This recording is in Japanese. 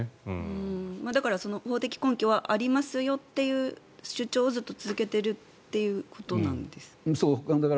だから法的根拠はありますよという主張をずっと続けているということなんですか。